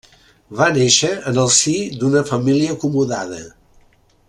Va néixer en el si d'una família acomodada.